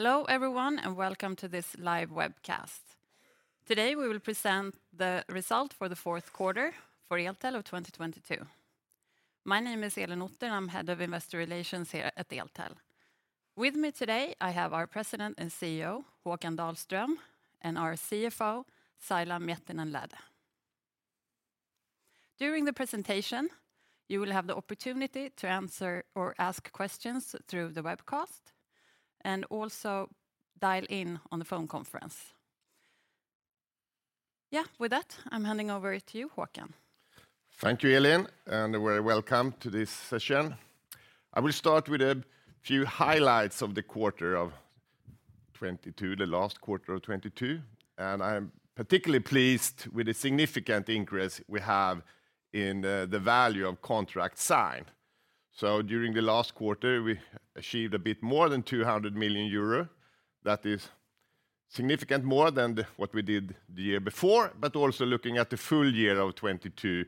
Hello, everyone, and welcome to this live webcast. Today, we will present the result for the fourth quarter for Eltel of 2022. My name is Elin Otter. I'm Head of Investor Relations here at Eltel. With me today, I have our President and CEO, Håkan Dahlström, and our CFO, Saila Miettinen-Lähde. During the presentation, you will have the opportunity to answer or ask questions through the webcast and also dial in on the phone conference. Yeah. With that, I'm handing over to you, Håkan. Thank you, Elin. Very welcome to this session. I will start with a few highlights of the quarter of 2022, the last quarter of 2022. I'm particularly pleased with the significant increase we have in the value of contract signed. During the last quarter, we achieved a bit more than 200 million euro. That is significant more than what we did the year before, but also looking at the full year of 2022,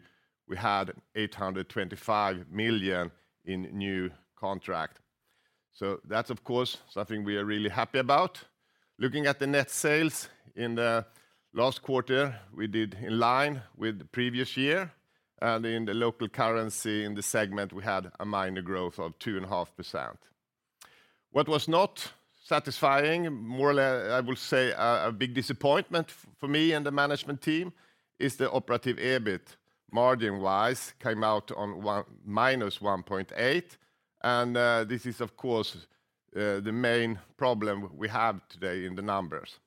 we had 825 million in new contract. That's, of course, something we are really happy about. Looking at the net sales in the last quarter, we did in line with the previous year. In the local currency in the segment, we had a minor growth of 2.5%. What was not satisfying, more or less, I will say, a big disappointment for me and the management team is the Operative EBIT margin-wise came out on -1.8%. This is, of course, the main problem we have today in the numbers.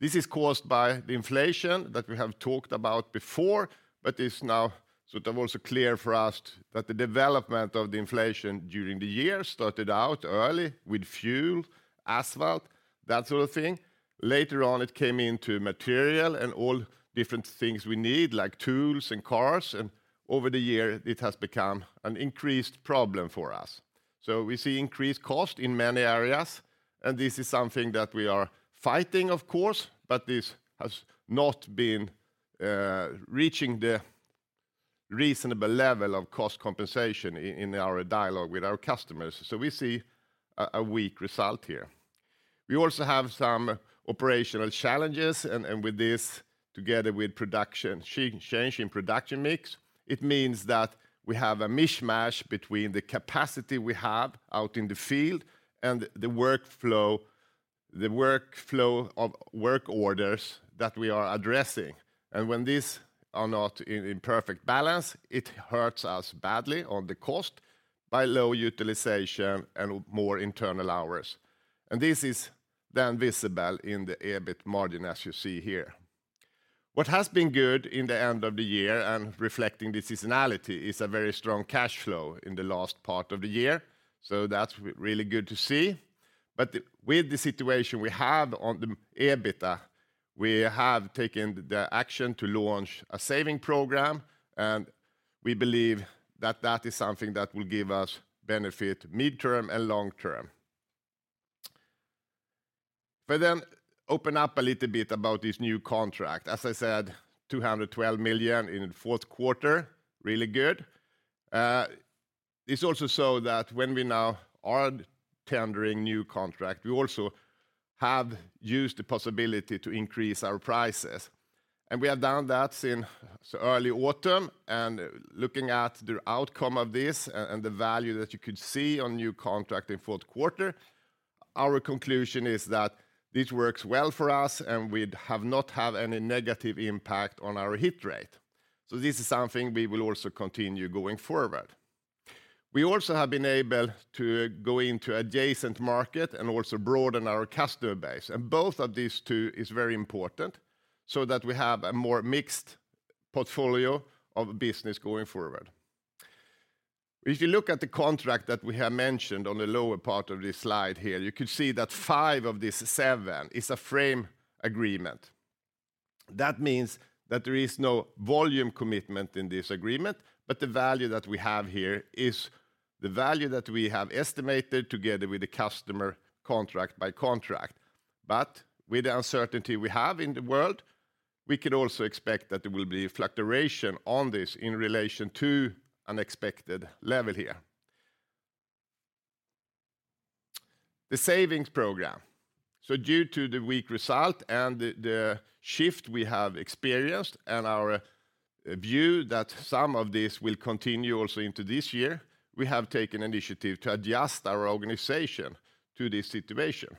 This is caused by the inflation that we have talked about before, but is now sort of also clear for us that the development of the inflation during the year started out early with fuel, asphalt, that sort of thing. Later on, it came into material and all different things we need, like tools and cars, and over the year, it has become an increased problem for us. We see increased cost in many areas, and this is something that we are fighting, of course, but this has not been reaching the reasonable level of cost compensation in our dialogue with our customers. We see a weak result here. We also have some operational challenges and with this, together with production change in production mix, it means that we have a mishmash between the capacity we have out in the field and the workflow of work orders that we are addressing. When these are not in perfect balance, it hurts us badly on the cost by low utilization and more internal hours. This is then visible in the EBIT margin, as you see here. What has been good in the end of the year and reflecting the seasonality is a very strong cash flow in the last part of the year. That's really good to see. With the situation we have on the EBITDA, we have taken the action to launch a saving program, and we believe that that is something that will give us benefit mid-term and long-term. Open up a little bit about this new contract. As I said, 212 million in the fourth quarter, really good. It's also so that when we now are tendering new contract, we also have used the possibility to increase our prices. We have done that since early autumn. Looking at the outcome of this and the value that you could see on new contract in fourth quarter, our conclusion is that this works well for us, and we'd have not had any negative impact on our hit rate. This is something we will also continue going forward. We also have been able to go into adjacent market and also broaden our customer base. Both of these two is very important so that we have a more mixed portfolio of business going forward. If you look at the contract that we have mentioned on the lower part of this slide here, you could see that five of these seven is a frame agreement. That means that there is no volume commitment in this agreement, but the value that we have here is the value that we have estimated together with the customer contract by contract. With the uncertainty we have in the world, we could also expect that there will be a fluctuation on this in relation to unexpected level here. The savings program. Due to the weak result and the shift we have experienced and our view that some of this will continue also into this year, we have taken initiative to adjust our organization to this situation.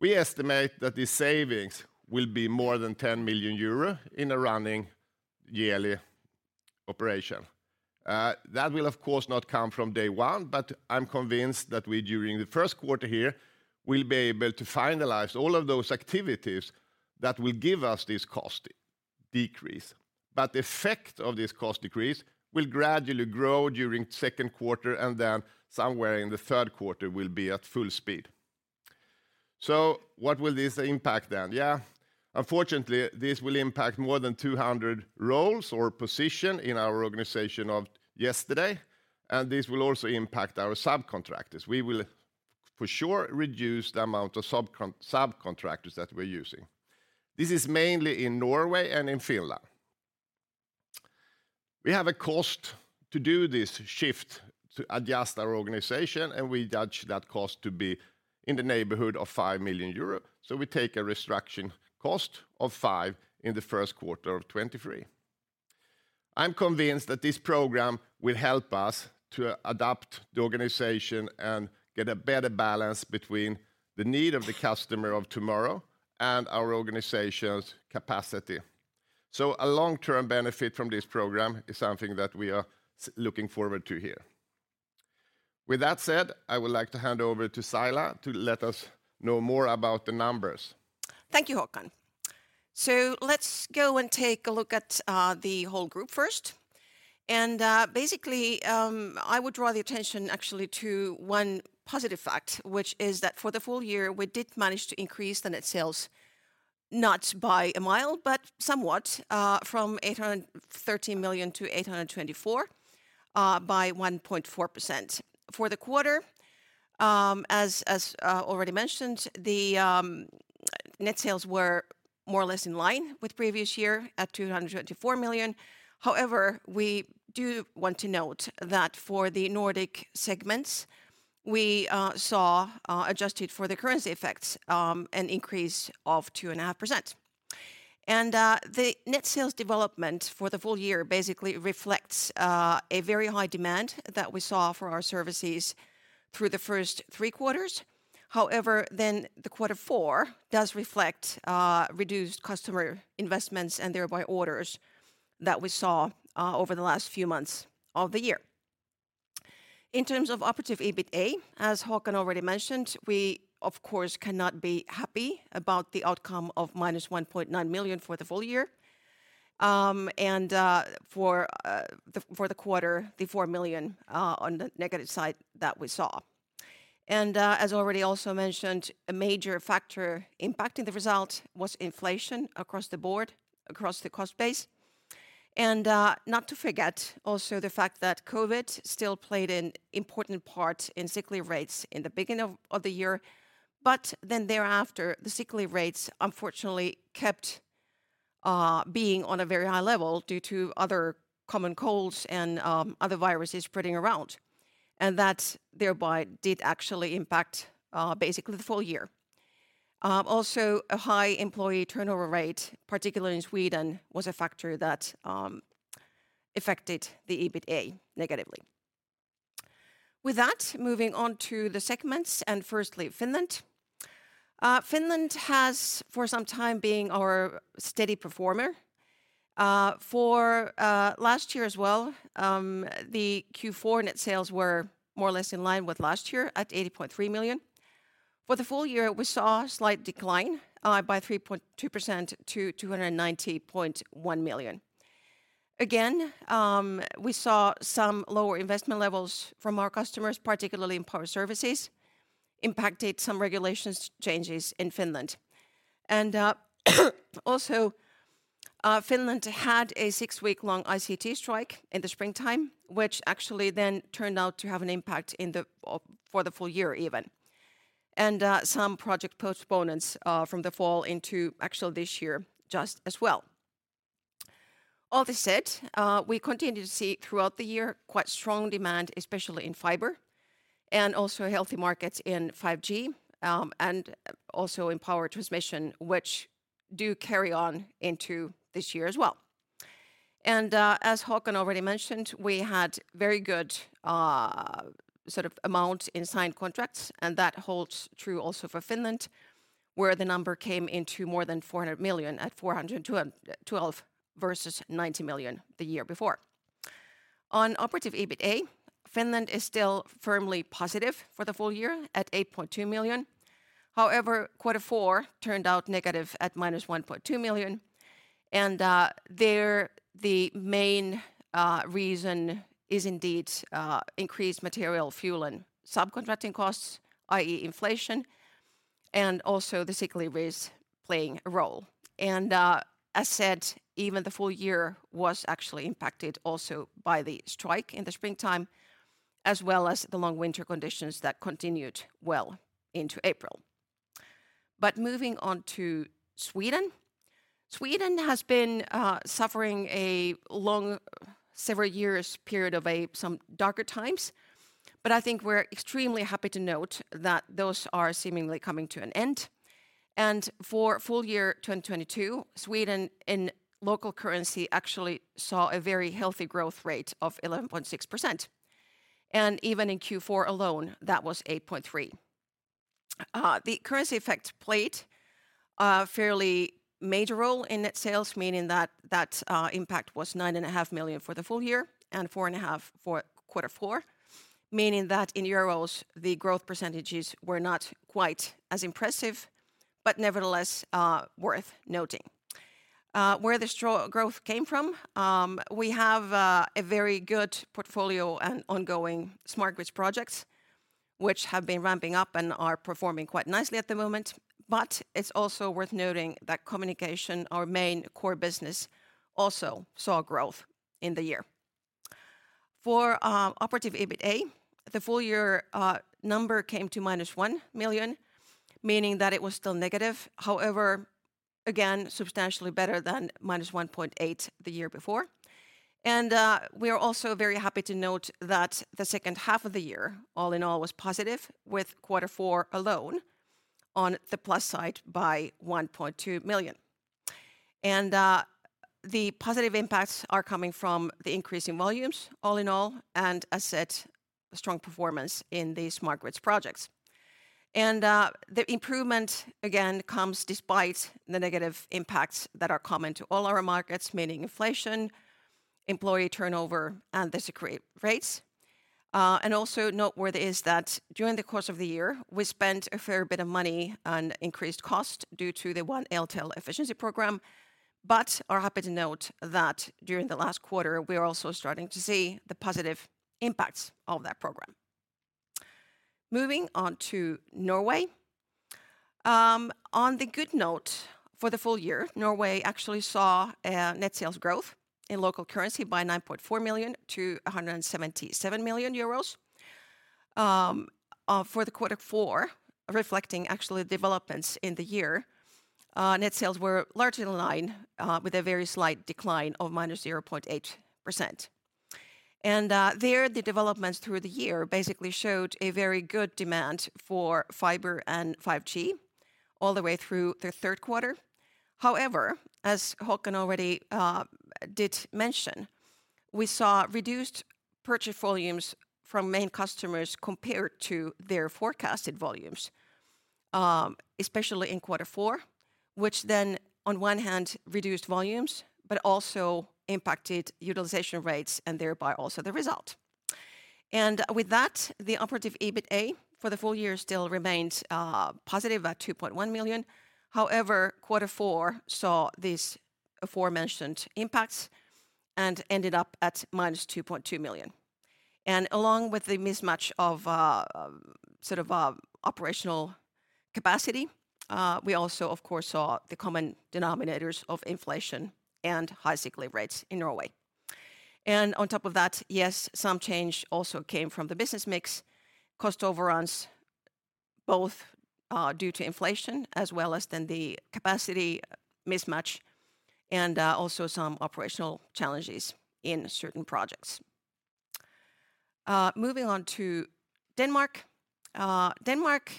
We estimate that the savings will be more than 10 million euro in a running yearly operation. That will, of course, not come from day one, but I'm convinced that we, during the first quarter here, will be able to finalize all of those activities that will give us this cost decrease. The effect of this cost decrease will gradually grow during second quarter, and then somewhere in the third quarter will be at full speed. What will this impact then? Unfortunately, this will impact more than 200 roles or position in our organization of yesterday, and this will also impact our subcontractors. We will, for sure, reduce the amount of subcontractors that we're using. This is mainly in Norway and in Finland. We have a cost to do this shift to adjust our organization, and we judge that cost to be in the neighborhood of 5 million euro. We take a restructuring cost of 5 million in the first quarter of 2023. I'm convinced that this program will help us to adapt the organization and get a better balance between the need of the customer of tomorrow and our organization's capacity. A long-term benefit from this program is something that we are looking forward to here. With that said, I would like to hand over to Saila to let us know more about the numbers. Thank you, Håkan. Let's go and take a look at the whole group first. Basically, I would draw the attention actually to one positive fact, which is that for the full year, we did manage to increase the net sales, not by a mile, but somewhat, from 813 million-824 million, by 1.4%. For the quarter, as already mentioned, the net sales were more or less in line with previous year at 224 million. However, we do want to note that for the Nordic segments, we saw adjusted for the currency effects, an increase of 2.5%. The net sales development for the full year basically reflects a very high demand that we saw for our services through the first three quarters. The quarter four does reflect reduced customer investments and thereby orders that we saw over the last few months of the year. In terms of operative EBITA, as Håkan already mentioned, we of course cannot be happy about the outcome of -1.9 million for the full year, and for the quarter, the 4 million on the negative side that we saw. As already also mentioned, a major factor impacting the result was inflation across the board, across the cost base. Not to forget also the fact that COVID still played an important part in sick leave rates in the beginning of the year. Thereafter, the sick leave rates unfortunately kept being on a very high level due to other common colds and other viruses spreading around. That thereby did actually impact basically the full year. Also a high employee turnover rate, particularly in Sweden, was a factor that affected the EBITA negatively. With that, moving on to the segments, and firstly, Finland. Finland has for some time been our steady performer. For last year as well, the Q4 net sales were more or less in line with last year at 80.3 million. For the full year, we saw a slight decline by 3.2% to 290.1 million. Again, we saw some lower investment levels from our customers, particularly in Power services, impacted some regulations changes in Finland. Also, Finland had a six week-long ICT strike in the springtime, which actually then turned out to have an impact for the full year even. Some project postponements from the fall into actual this year just as well. All this said, we continue to see throughout the year quite strong demand, especially in fiber, and also healthy markets in 5G, and also in power transmission, which do carry on into this year as well. As Håkan already mentioned, we had very good sort of amount in signed contracts, and that holds true also for Finland, where the number came into more than 400 million at 412 million versus 90 million the year before. On operative EBITA, Finland is still firmly positive for the full year at 8.2 million. However, Q4 turned out negative at -1.2 million. There the main reason is indeed increased material, fuel, and subcontracting costs, i.e. inflation, and also the sick leave rates playing a role. As said, even the full year was actually impacted also by the strike in the springtime, as well as the long winter conditions that continued well into April. Moving on to Sweden. Sweden has been suffering a long, several years period of some darker times. I think we're extremely happy to note that those are seemingly coming to an end. For full year 2022, Sweden in local currency actually saw a very healthy growth rate of 11.6%. Even in Q4 alone, that was 8.3%. The currency effect played a fairly major role in net sales, meaning that impact was 9.5 million for the full year and 4.5 million for Q4, meaning that in EUR, the growth percentages were not quite as impressive, but nevertheless, worth noting. Where the growth came from, we have a very good portfolio and ongoing Smart Grid projects, which have been ramping up and are performing quite nicely at the moment. It's also worth noting that Communication, our main core business, also saw growth in the year. For Operative EBITA, the full year number came to -1 million, meaning that it was still negative. However, again, substantially better than -1.8 million the year before. We are also very happy to note that the second half of the year, all in all, was positive, with quarter four alone on the plus side by 1.2 million. The positive impacts are coming from the increase in volumes all in all, and as said, strong performance in the Smart Grids projects. The improvement again comes despite the negative impacts that are common to all our markets, meaning inflation, employee turnover, and the sick rates. Also noteworthy is that during the course of the year, we spent a fair bit of money on increased cost due to the One Eltel efficiency program, but are happy to note that during the last quarter we are also starting to see the positive impacts of that program. Moving on to Norway. On the good note, for the full year, Norway actually saw a net sales growth in local currency by 9.4 million-177 million euros. For the quarter four, reflecting actually developments in the year, net sales were largely in line with a very slight decline of -0.8%. There the developments through the year basically showed a very good demand for fiber and 5G all the way through the third quarter. However, as Håkan already did mention, we saw reduced purchase volumes from main customers compared to their forecasted volumes, especially in quarter four, which then on one hand reduced volumes but also impacted utilization rates and thereby also the result. The operative EBITA for the full year still remained positive at 2.1 million. Quarter four saw these aforementioned impacts and ended up at -2.2 million. Along with the mismatch of operational capacity, we also of course saw the common denominators of inflation and high sick leave rates in Norway. On top of that, yes, some change also came from the business mix, cost overruns, both due to inflation as well as then the capacity mismatch and also some operational challenges in certain projects. Moving on to Denmark. Denmark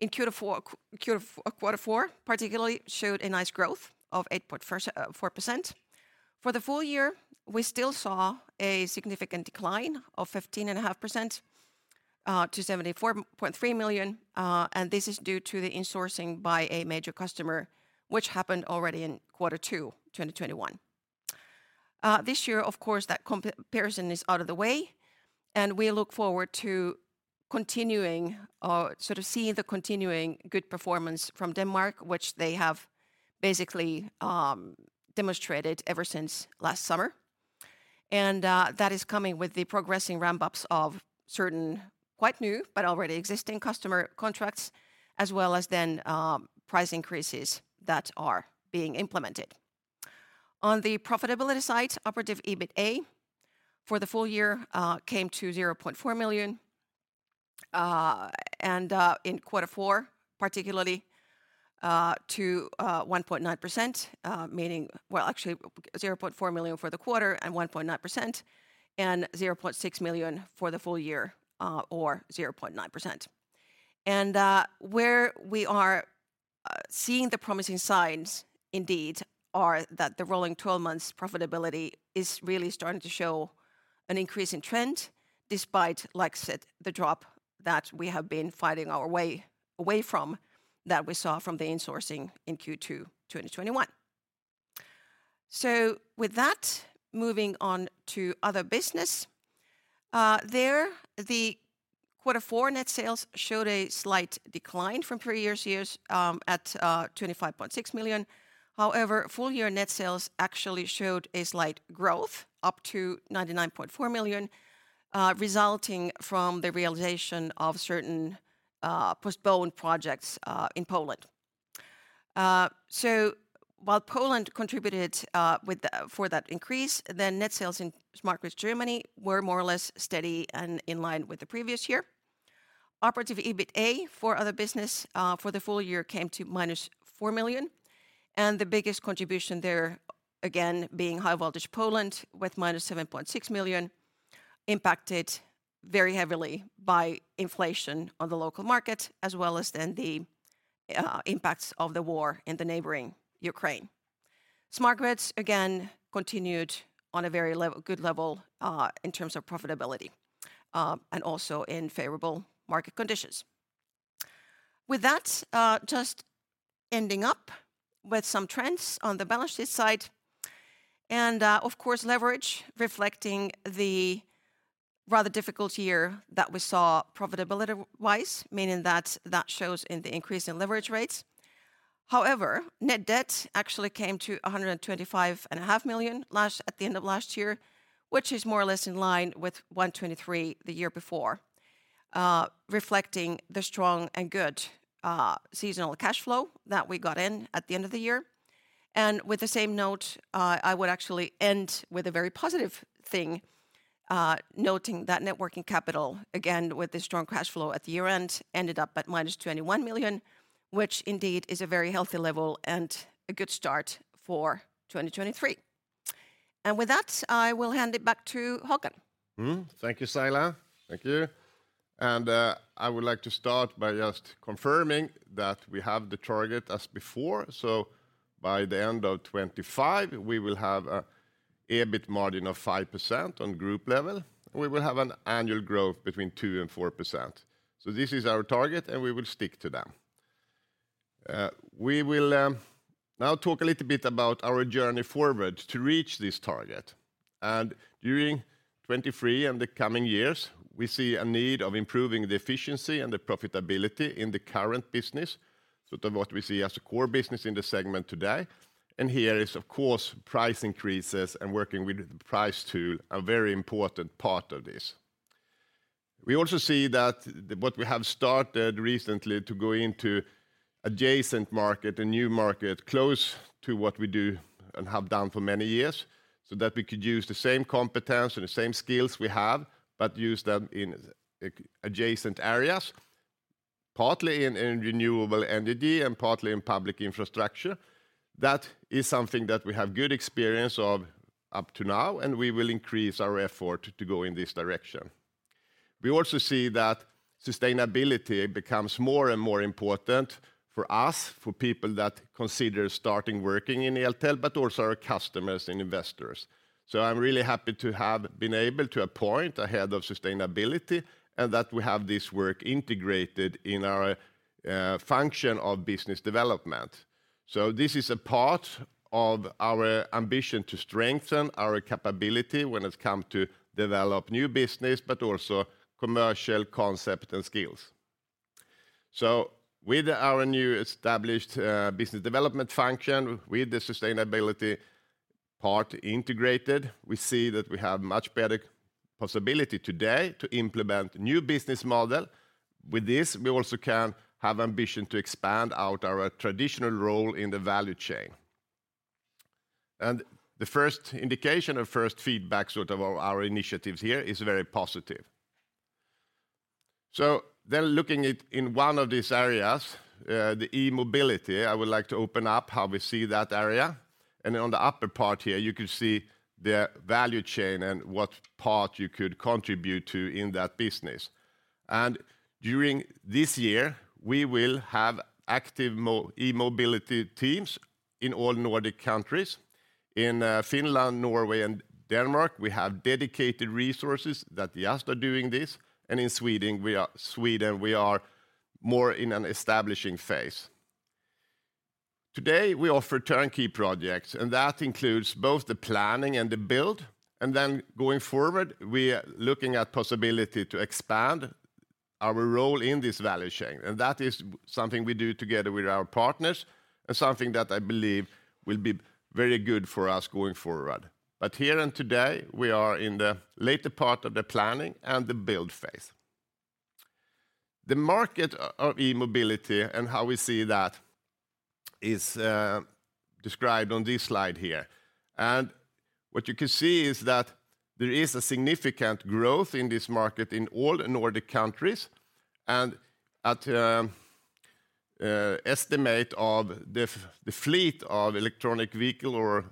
in quarter four particularly showed a nice growth of 8.4%. For the full year, we still saw a significant decline of 15.5% to 74.3 million. This is due to the insourcing by a major customer which happened already in Q2 2021. This year, of course, that comparison is out of the way, and we look forward to continuing or sort of seeing the continuing good performance from Denmark, which they have basically demonstrated ever since last summer. That is coming with the progressing ramp-ups of certain quite new but already existing customer contracts, as well as then price increases that are being implemented. On the profitability side, Operative EBITA for the full year came to 0.4 million. In Q4, particularly, to 1.9%, meaning... Well, actually 0.4 million for the quarter and 1.9%, 0.6 million for the full year, or 0.9%. Where we are seeing the promising signs indeed are that the rolling 12 months profitability is really starting to show an increase in trend despite, like I said, the drop that we have been fighting our way away from that we saw from the insourcing in Q2 2021. With that, moving on to other business. There the Q4 net sales showed a slight decline from previous years at 25.6 million. However, full year net sales actually showed a slight growth, up to 99.4 million, resulting from the realization of certain postponed projects in Poland. While Poland contributed for that increase, the net sales in Smart Grids Germany were more or less steady and in line with the previous year. Operative EBITA for other business for the full year came to -4 million, and the biggest contribution there again being High Voltage Poland with -7.6 million, impacted very heavily by inflation on the local market as well as then the impacts of the war in the neighboring Ukraine. Smart Grids, again, continued on a very good level in terms of profitability, and also in favorable market conditions. With that, just ending up with some trends on the balance sheet side and, of course leverage reflecting the rather difficult year that we saw profitability-wise, meaning that that shows in the increase in leverage rates. net debt actually came to EUR a hundred and twenty-five and a half million last, at the end of last year, which is more or less in line with 123 million the year before. Reflecting the strong and good seasonal cash flow that we got in at the end of the year, and with the same note, I would actually end with a very positive thing, noting that net working capital, again with the strong cash flow at the year-end, ended up at -21 million, which indeed is a very healthy level and a good start for 2023. With that, I will hand it back to Håkan. Thank you, Saila. Thank you. I would like to start by just confirming that we have the target as before. By the end of 2025, we will have an EBIT margin of 5% on group level. We will have an annual growth between 2% and 4%. This is our target, and we will stick to them. We will now talk a little bit about our journey forward to reach this target. During 2023 and the coming years, we see a need of improving the efficiency and the profitability in the current business, sort of what we see as the core business in the segment today. Here is of course, price increases and working with the price tool, a very important part of this. We also see that what we have started recently to go into adjacent market, a new market close to what we do and have done for many years, so that we could use the same competence and the same skills we have, but use them in adjacent areas, partly in renewable energy and partly in public infrastructure. That is something that we have good experience of up to now, and we will increase our effort to go in this direction. We also see that sustainability becomes more and more important for us, for people that consider starting working in Eltel, but also our customers and investors. I'm really happy to have been able to appoint a head of sustainability and that we have this work integrated in our function of business development. This is a part of our ambition to strengthen our capability when it come to develop new business but also commercial concept and skills. With our new established business development function, with the sustainability part integrated, we see that we have much better possibility today to implement new business model. With this, we also can have ambition to expand out our traditional role in the value chain. The first indication or first feedback, sort of, our initiatives here is very positive. Looking at in one of these areas, the e-mobility, I would like to open up how we see that area. On the upper part here, you could see the value chain and what part you could contribute to in that business. During this year, we will have active e-mobility teams in all Nordic countries. In Finland, Norway, and Denmark, we have dedicated resources that just are doing this, and in Sweden, we are more in an establishing phase. Today, we offer turnkey projects, and that includes both the planning and the build, and then going forward, we are looking at possibility to expand our role in this value chain. That is something we do together with our partners and something that I believe will be very good for us going forward. Here and today, we are in the later part of the planning and the build phase. The market of e-mobility and how we see that is described on this slide here. What you can see is that there is a significant growth in this market in all Nordic countries. At estimate of the fleet of electronic vehicle or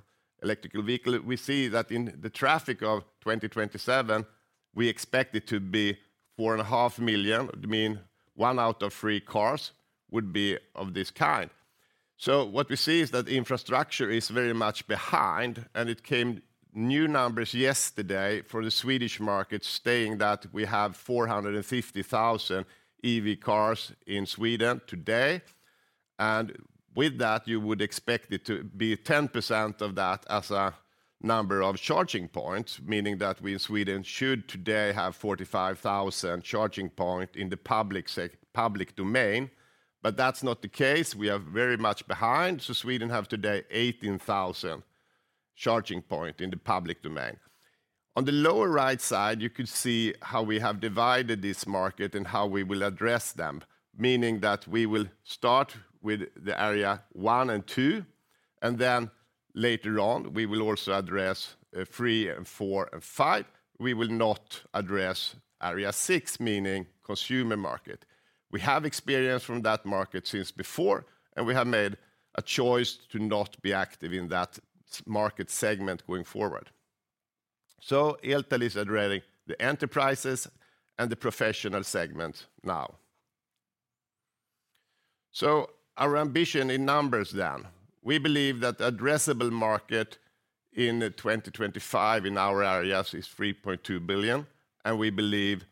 electrical vehicle, we see that in the traffic of 2027, we expect it to be 4.5 million, it mean one out of three cars would be of this kind. What we see is that infrastructure is very much behind, it came new numbers yesterday for the Swedish market stating that we have 450,000 EV cars in Sweden today. With that, you would expect it to be 10% of that as a number of charging points, meaning that we in Sweden should today have 45,000 charging point in the public domain. That's not the case. We are very much behind, Sweden have today 18,000 charging point in the public domain. On the lower right side, you could see how we have divided this market and how we will address them, meaning that we will start with the area one and two, and then later on we will also address three and four and five. We will not address area six, meaning consumer market. We have experience from that market since before, and we have made a choice to not be active in that market segment going forward. Eltel is addressing the enterprises and the professional segment now. Our ambition in numbers then. We believe that the addressable market in 2025 in our areas is 3.2 billion, and we believe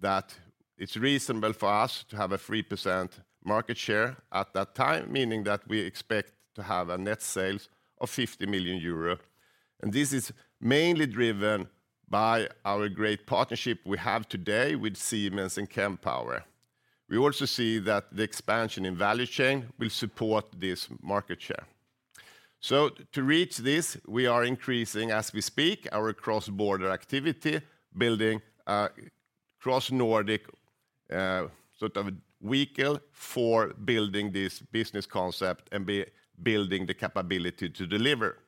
that it's reasonable for us to have a 3% market share at that time, meaning that we expect to have a net sales of 50 million euro. This is mainly driven by our great partnership we have today with Siemens and Kempower. We also see that the expansion in value chain will support this market share. To reach this, we are increasing, as we speak, our cross-border activity, building cross Nordic sort of vehicle for building this business concept and building the capability to deliver.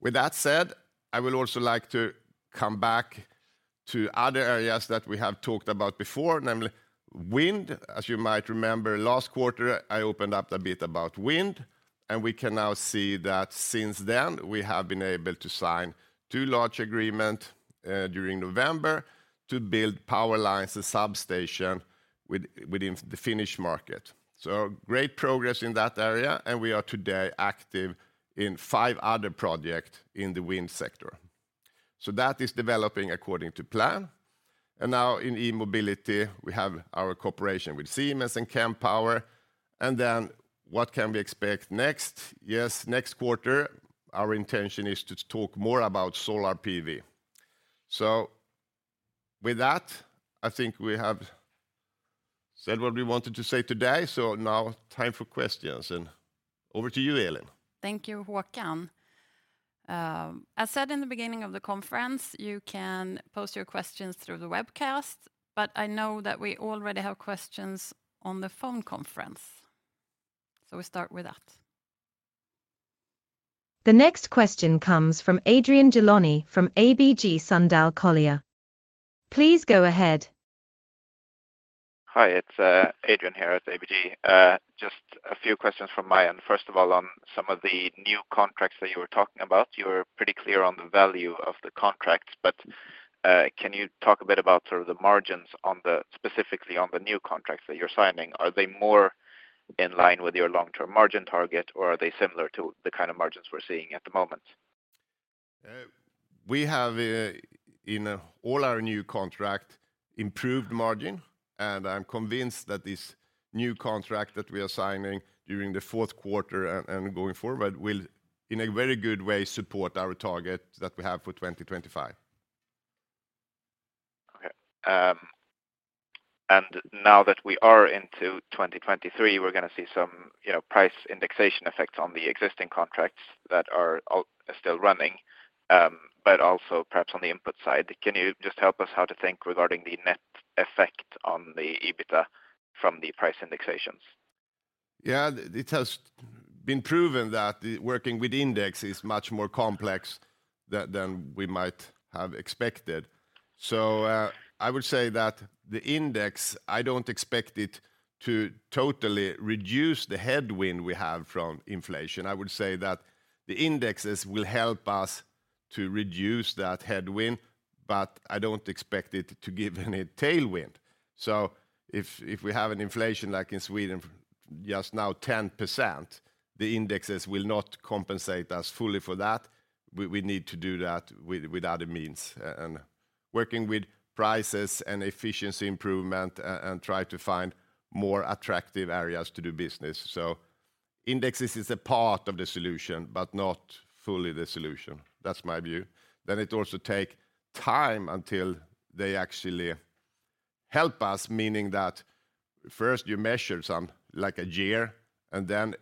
With that said, I would also like to come back to other areas that we have talked about before, namely wind. As you might remember, last quarter, I opened up a bit about wind, and we can now see that since then, we have been able to sign two large agreements during November to build power lines and substation within the Finnish market. Great progress in that area, and we are today active in five other projects in the wind sector. That is developing according to plan. Now in e-mobility, we have our cooperation with Siemens and Kempower, what can we expect next? Yes, next quarter, our intention is to talk more about solar PV. With that, I think we have said what we wanted to say today, time for questions, over to you, Elin. Thank you, Håkan. As said in the beginning of the conference, you can post your questions through the webcast. I know that we already have questions on the phone conference. We start with that. The next question comes from Adrian Gilani from ABG Sundal Collier. Please go ahead. Hi, it's Adrian here at ABG. Just a few questions from my end. On some of the new contracts that you were talking about, you were pretty clear on the value of the contracts. Can you talk a bit about sort of the margins on the... specifically on the new contracts that you're signing? Are they more in line with your long-term margin target, or are they similar to the kind of margins we're seeing at the moment? We have, in all our new contract, improved margin. I'm convinced that this new contract that we are signing during the fourth quarter and going forward will, in a very good way, support our target that we have for 2025. Okay. Now that we are into 2023, we're gonna see some, you know, price indexation effects on the existing contracts that are still running, but also perhaps on the input side. Can you just help us how to think regarding the net effect on the EBITDA from the price indexations? Yeah. It has been proven that working with index is much more complex than we might have expected. I would say that the index, I don't expect it to totally reduce the headwind we have from inflation. I would say that the indexes will help us to reduce that headwind, but I don't expect it to give any tailwind. If we have an inflation, like in Sweden just now, 10%, the indexes will not compensate us fully for that. We need to do that with other means, and working with prices and efficiency improvement and try to find more attractive areas to do business. Indexes is a part of the solution, but not fully the solution. That's my view. It also take time until they actually help us, meaning that first you measure some, like a year, and then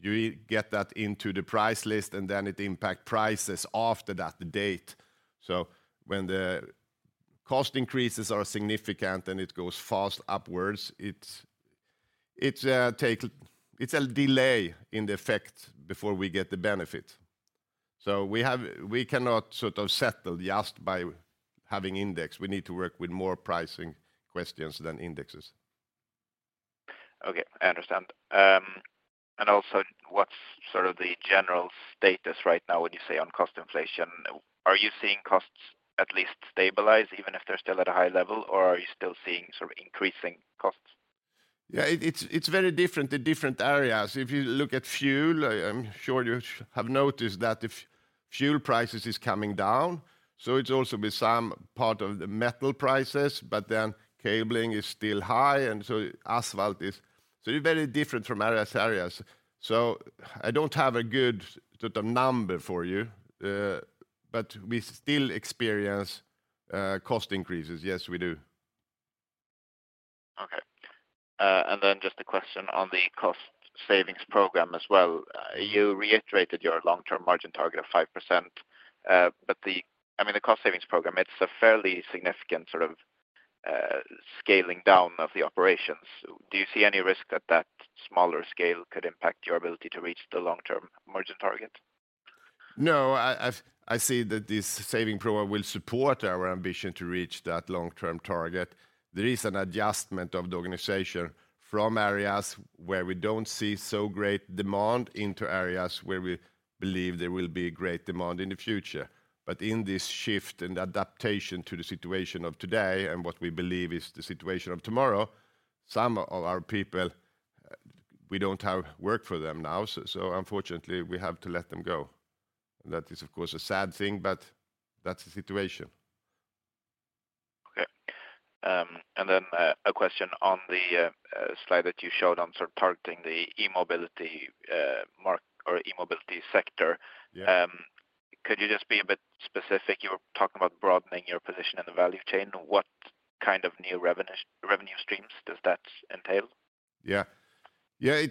you get that into the price list, and then it impact prices after that date. When the cost increases are significant, and it goes fast upwards, it's a delay in the effect before we get the benefit. We cannot sort of settle just by having index. We need to work with more pricing questions than indexes. Okay, I understand. Also, what's sort of the general status right now, would you say, on cost inflation? Are you seeing costs at least stabilize, even if they're still at a high level, or are you still seeing sort of increasing costs? It's very different in different areas. If you look at fuel, I'm sure you have noticed that if fuel prices is coming down, so it's also with some part of the metal prices, but then cabling is still high, and so asphalt is-- It's very different from areas to areas. I don't have a good sort of number for you, but we still experience cost increases. Yes, we do. Okay. Just a question on the cost savings program as well. You reiterated your long-term margin target of 5%. I mean, the cost savings program, it's a fairly significant sort of scaling down of the operations. Do you see any risk that that smaller scale could impact your ability to reach the long-term margin target? I see that this saving program will support our ambition to reach that long-term target. There is an adjustment of the organization from areas where we don't see so great demand into areas where we believe there will be great demand in the future. In this shift and adaptation to the situation of today and what we believe is the situation of tomorrow, some of our people, we don't have work for them now, so unfortunately, we have to let them go. That is, of course, a sad thing. That's the situation. Okay. A question on the slide that you showed on sort of targeting the e-mobility or e-mobility sector. Yeah. Could you just be a bit specific? You were talking about broadening your position in the value chain. What kind of new revenue streams does that entail? Yeah. Yeah,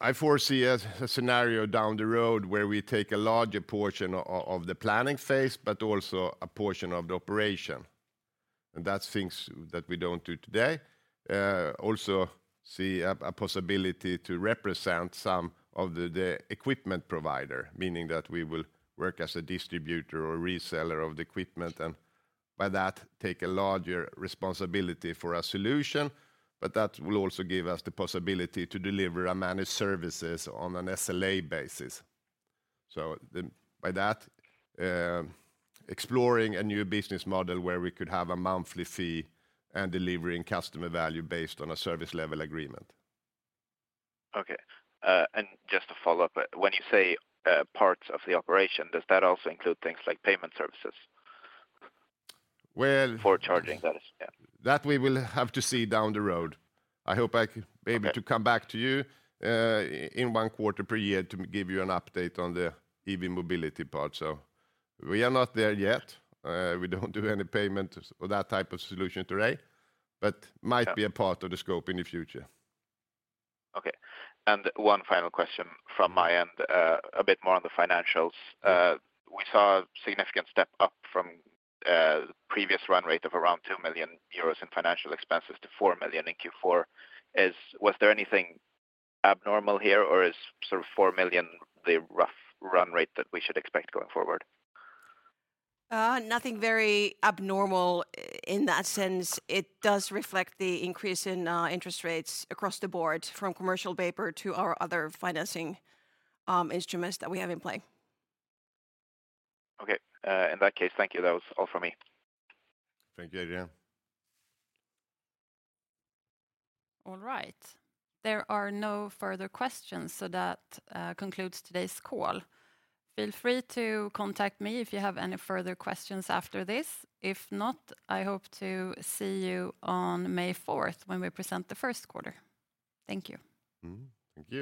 I foresee a scenario down the road where we take a larger portion of the planning phase, but also a portion of the operation. That's things that we don't do today. Also see a possibility to represent some of the equipment provider, meaning that we will work as a distributor or reseller of the equipment, and by that take a larger responsibility for a solution, but that will also give us the possibility to deliver our managed services on an SLA basis. By that, exploring a new business model where we could have a monthly fee and delivering customer value based on a service level agreement. Okay. Just to follow up, when you say parts of the operation, does that also include things like payment services? Well- For charging, that is. Yeah. ...that we will have to see down the road. I hope I can maybe- Okay... to come back to you, in one quarter per year to give you an update on the EV mobility part. We are not there yet. We don't do any payment or that type of solution today, but might be a part of the scope in the future. Okay. One final question from my end, a bit more on the financials. We saw a significant step up from previous run rate of around 2 million euros in financial expenses to 4 million in Q4. Was there anything abnormal here, or is sort of 4 million the rough run rate that we should expect going forward? Nothing very abnormal in that sense. It does reflect the increase in interest rates across the board from commercial paper to our other financing instruments that we have in play. Okay. In that case, thank you. That was all from me. Thank you, Adrian. All right. There are no further questions, so that concludes today's call. Feel free to contact me if you have any further questions after this. If not, I hope to see you on May fourth when we present the first quarter. Thank you. Thank you.